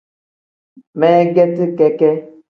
Meegeti keke.